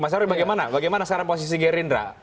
mas nyarwi bagaimana bagaimana sekarang posisi gerindra